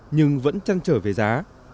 nhưng vẫn trăng trở về giá